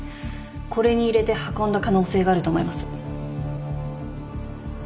これに入れて運んだ可能性があると思います。